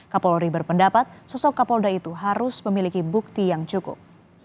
kapolri berpendapat sosok kapolda itu harus memiliki bukti yang cukup